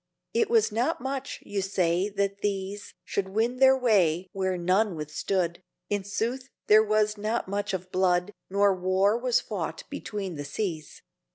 It was not much, you say, that these Should win their way where none withstood; In sooth there was not much of blood No war was fought between the seas.